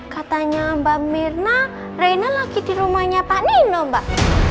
katanya mbak mirna reinhard lagi di rumahnya pak nino mbak